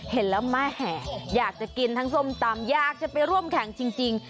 เห็นแล้วแม่อยากจะกินทั้งส้มตำอยากจะไปร่วมแข่งจริง